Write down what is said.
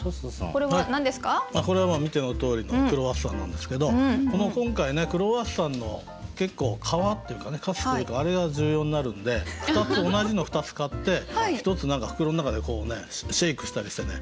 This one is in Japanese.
これは見てのとおりクロワッサンなんですけどこの今回ねクロワッサンの結構皮っていうかねカスというかあれが重要になるんで同じの２つ買って１つ何か袋の中でこうねシェークしたりしてねやっと落ちた皮をちょっと合成して。